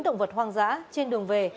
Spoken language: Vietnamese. động vật hoang dã trên đường về